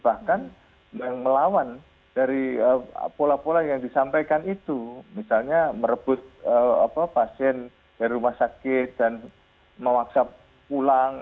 bahkan yang melawan dari pola pola yang disampaikan itu misalnya merebut pasien dari rumah sakit dan memaksa pulang